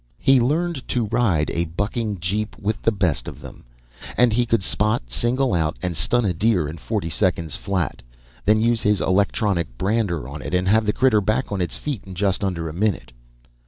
He learned to ride a bucking jeep with the best of them, and he could spot, single out, and stun a steer in forty seconds flat; then use his electronic brander on it and have the critter back on its feet in just under a minute.